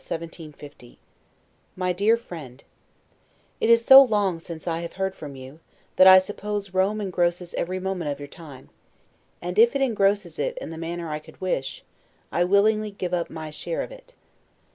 1750 MY DEAR FRIEND: It is so long since I have heard from you, that I suppose Rome engrosses every moment of your time; and if it engrosses it in the manner I could wish, I willingly give up my share of it.